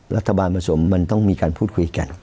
รัฐบาลผสมมันต้องมีการพูดคุยกัน